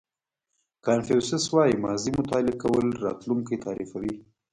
کانفیوسیس وایي ماضي مطالعه کول راتلونکی تعریفوي.